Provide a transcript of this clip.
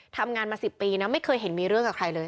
ทำงานมา๑๐ปีนะไม่เคยเห็นมีเรื่องกับใครเลย